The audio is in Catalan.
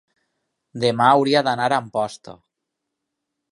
demà hauria d'anar a Amposta.